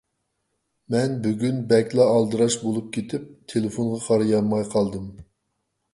مەن بۈگۈن بەكلا ئالدىراش بولۇپ كېتىپ، تېلېفونغا قارىيالماي قالدىم.